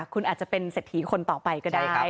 คุณอาจจะเป็นเศรษฐีคนต่อไปก็ได้